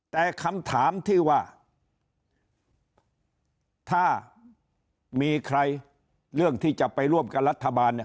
แต่คำถามที่ว่าถ้ามีใครเรื่องที่จะไปร่วมกับรัฐบาลเนี่ย